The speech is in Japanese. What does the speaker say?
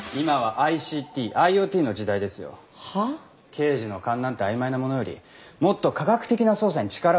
刑事の勘なんて曖昧なものよりもっと科学的な捜査に力を入れて。